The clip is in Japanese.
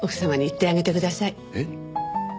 えっ？